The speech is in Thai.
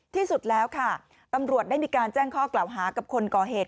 ที่สุดแล้วค่ะตำรวจได้มีการแจ้งข้อกล่าวหากับคนก่อเหตุ